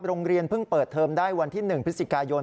โรงเรียนเพิ่งเปิดเทอมได้วันที่๑พฤศจิกายน